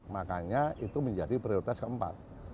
makanya itu menjadi prioritas keempat